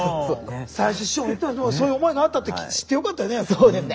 最初師匠も言ってたけどそういう思いがあったって知ってよかったよね。